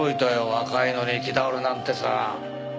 若いのに行き倒れなんてさ。